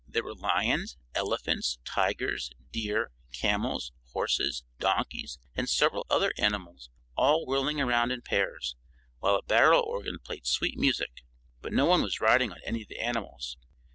There were lions, elephants, tigers, deer, camels, horses, donkeys and several other animals, all whirling around in pairs, while a barrel organ played sweet music. But no one was riding on any of the animals.